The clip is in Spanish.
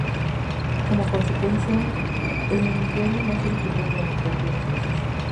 Como consecuencia, el diario no circuló durante algunos meses.